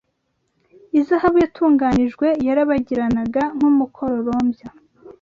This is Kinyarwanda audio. izahabu yatunganijwe yarabagiranaga nk’umukororombya